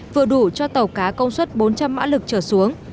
vừa đủ cho tàu cá công suất bốn trăm linh mã lực trở xuống